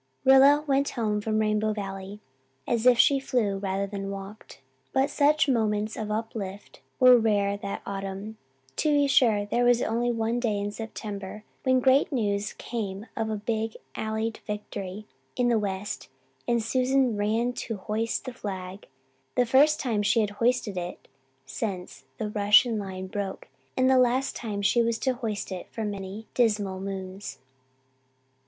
Rilla went home from Rainbow Valley as if she flew rather than walked. But such moments of uplift were rare that autumn. To be sure, there was one day in September when great news came of a big Allied victory in the west and Susan ran out to hoist the flag the first time she had hoisted it since the Russian line broke and the last time she was to hoist it for many dismal moons.